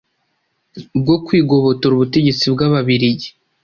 bwo kwigobotora ubutegetsi bw'Ababiligi.